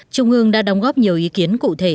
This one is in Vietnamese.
trung ương đã đóng góp nhiều ý kiến cụ thể